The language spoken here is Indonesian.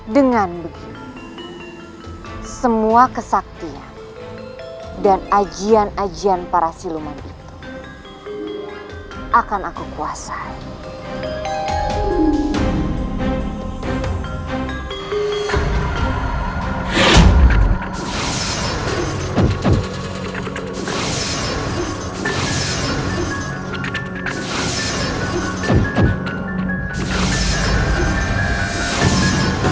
dengan begitu semua kesaktian dan ajian ajian para siluman itu akan aku kuasai